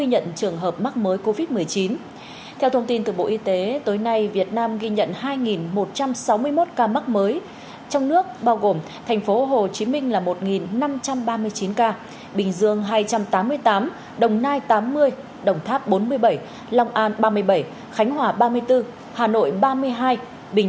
nhiều trường hợp khi lực lượng chức năng dừng phương tiện